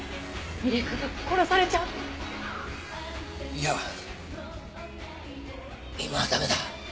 いや今は駄目だ。